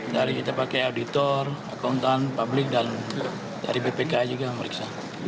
dari kita pakai auditor akuntan publik dan dari bpk juga memeriksa